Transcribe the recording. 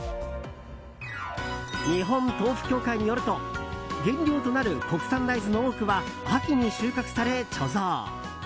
日本豆腐協会によると原料となる国産大豆の多くは秋に収穫され貯蔵。